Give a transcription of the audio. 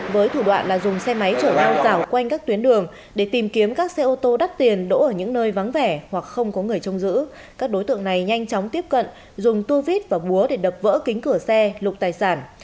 với thủ đoạn là dùng xe máy chở nhau giảo quanh các tuyến đường để tìm kiếm các xe ô tô đắt tiền đỗ ở những nơi vắng vẻ hoặc không có người trông giữ các đối tượng này nhanh chóng tiếp cận dùng tua vít và búa để đập vỡ kính cửa xe lục tài sản